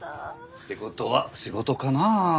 って事は仕事かなあ？